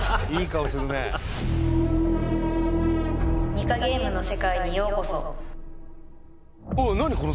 「ニカゲームの世界にようこそ」